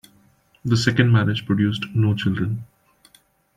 The second marriage produced no children.